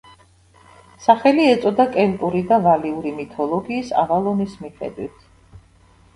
სახელი ეწოდა კელტური და ვალიური მითოლოგიის ავალონის მიხედვით.